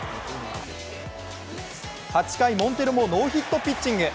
８回モンテロもノーヒットピッチング。